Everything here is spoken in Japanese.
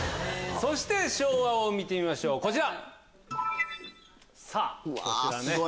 そして昭和を見てみましょうこちら。